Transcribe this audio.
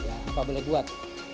apa boleh dibuat